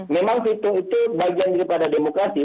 memang fitur itu bagian daripada demokrasi